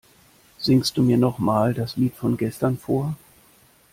Singst du mir noch mal das Lied von gestern vor?